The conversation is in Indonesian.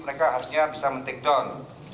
mereka harusnya bisa men take down